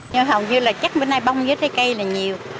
nhưng hầu như là chắc bữa nay bông với trái cây là nhiều